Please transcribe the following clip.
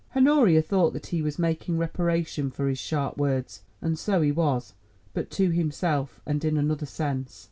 Honoria thought that he was making reparation for his sharp words, and so he was, but to himself, and in another sense.